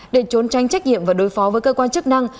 để trốn tranh trách nhiệm và đối phó với cơ quan chức năng